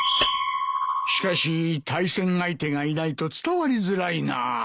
しかし対戦相手がいないと伝わりづらいなぁ。